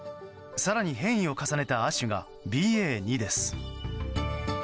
更に変異を重ねた亜種がＢＡ．２です。